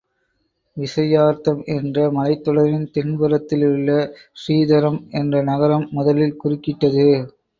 விசயார்த்தம் என்ற மலைத்தொடரின் தென்புறத்திலுள்ள ஸ்ரீதரம் என்ற நகரம் முதலில் குறுக்கிட்டது.